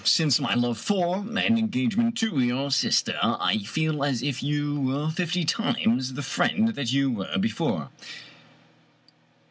Since my love for, and engagement to your sister, I feel as if you were fifty times the friend that you were before.